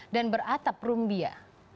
dan beratap rumbia